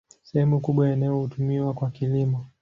Sehemu kubwa ya eneo hutumiwa kwa kilimo.